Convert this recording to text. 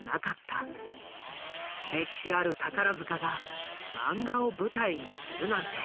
歴史ある宝塚がマンガを舞台にするなんて。